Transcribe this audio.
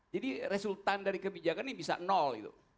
jadi resultan dari kebijakan ini bisa nol